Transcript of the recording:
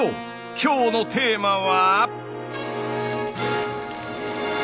今日のテーマは。